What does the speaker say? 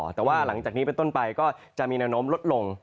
แต่ว่าหลังจากนี้เป็นต้นไปก็จะมีแนวโน้มลดลง